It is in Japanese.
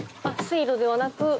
水路ではなく。